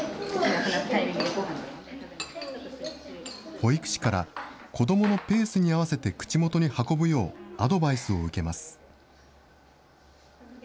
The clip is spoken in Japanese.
保育士から、子どものペースに合わせて口元に運ぶよう、アドバイスを受けます。